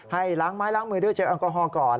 ให้ล้างไม้ล้างมือด้วยเจลแอลกอฮอลก่อน